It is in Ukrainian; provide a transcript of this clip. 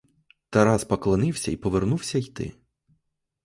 Тарас поклонився й повернувся йти.